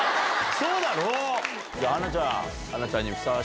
そうだろ？